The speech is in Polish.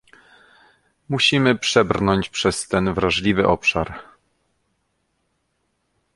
Musimy przebrnąć przez ten wrażliwy obszar